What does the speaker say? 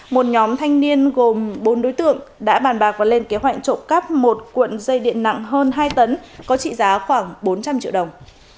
một nhóm thanh niên gồm bốn đối tượng đã bàn bạc và lên kế hoạch trộm cắp một cuộn dây điện nặng hơn hai tấn có trị giá khoảng bốn trăm linh triệu đồng